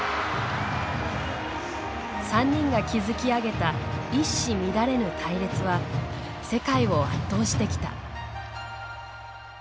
３人が築き上げた“一糸乱れぬ隊列”は世界を圧倒してきた。